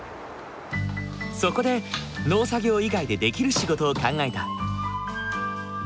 そこで農作業以外でできる仕事を考えた。